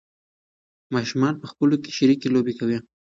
ماشومان په خپلو کې شریکې لوبې کوي.